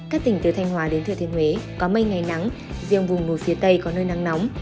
các tỉnh từ thanh hòa đến thừa thiên huế có mây ngày nắng riêng vùng núi phía tây có nơi nắng nóng